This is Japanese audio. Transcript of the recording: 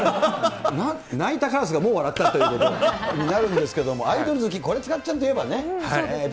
鳴いたカラスがもう笑ったということになるんですけれども、アイドル好き、これ、塚っちゃんといえばね。